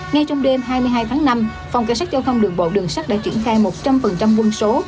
ngay trong đêm hai mươi hai tháng năm phòng cảnh sát giao thông đường bộ đường sắt đã triển khai một trăm linh quân số